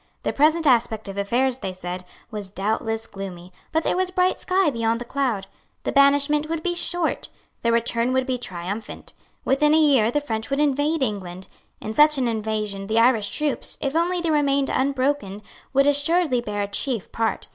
The present aspect of affairs, they said, was doubtless gloomy; but there was bright sky beyond the cloud. The banishment would be short. The return would be triumphant. Within a year the French would invade England. In such an invasion the Irish troops, if only they remained unbroken, would assuredly bear a chief part.